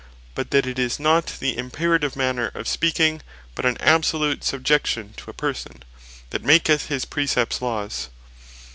but that it is not the Imperative manner of speaking, but an absolute Subjection to a Person, that maketh his Precept Laws.